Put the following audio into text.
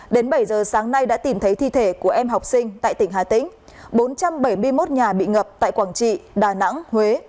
đến bảy giờ sáng nay đã tìm thấy thi thể của em học sinh tại tỉnh hà tĩnh bốn trăm bảy mươi một nhà bị ngập tại quảng trị đà nẵng huế